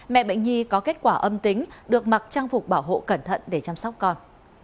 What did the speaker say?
mẹ bệnh nhi có kết quả âm tính được mặc trang phục bảo hộ cẩn thận để chăm sóc con